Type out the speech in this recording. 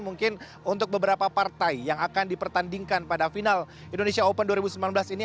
mungkin untuk beberapa partai yang akan dipertandingkan pada final indonesia open dua ribu sembilan belas ini